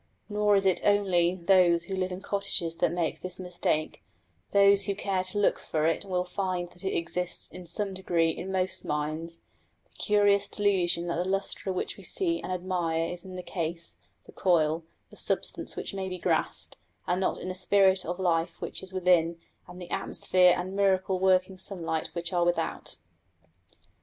Nor is it only those who live in cottages that make this mistake; those who care to look for it will find that it exists in some degree in most minds the curious delusion that the lustre which we see and admire is in the case, the coil, the substance which may be grasped, and not in the spirit of life which is within and the atmosphere and miracle working sunlight which are without.